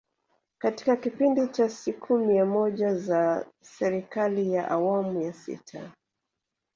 Katika kipindi cha siku mia moja za Serikali ya Awamu ya Sita